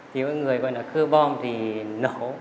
thì có người gọi là cưa bom thì nổ